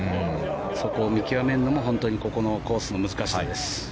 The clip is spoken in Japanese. そこを見極めるのが、本当に個々のコースの難しさです。